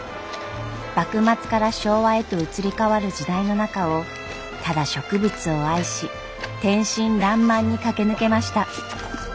幕末から昭和へと移り変わる時代の中をただ植物を愛し天真らんまんに駆け抜けました。